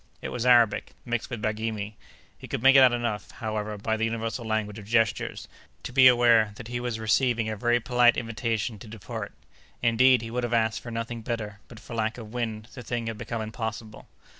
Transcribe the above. It was Arabic, mixed with Baghirmi. He could make out enough, however, by the universal language of gestures, to be aware that he was receiving a very polite invitation to depart. Indeed, he would have asked for nothing better, but for lack of wind, the thing had become impossible.